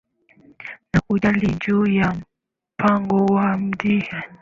na kujadili juu ya mpango wa nchi ya iran